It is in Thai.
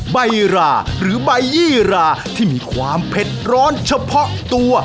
ใบราหรือใบยี่ราที่มีความเผ็ดร้อนเฉพาะตัว